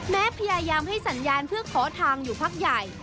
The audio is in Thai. พยายามให้สัญญาณเพื่อขอทางอยู่พักใหญ่